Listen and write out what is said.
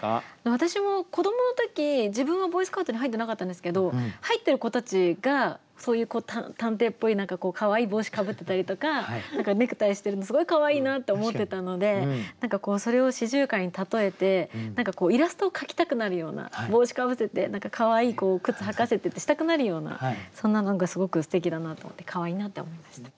私も子どもの時自分はボーイスカウトに入ってなかったんですけど入ってる子たちがそういう探偵っぽい何かこうかわいい帽子かぶってたりとかネクタイしてるのすごいかわいいなって思ってたので何かそれを四十雀に例えてイラストを描きたくなるような帽子かぶせてかわいい靴履かせてってしたくなるようなそんな何かすごくすてきだなと思ってかわいいなって思いました。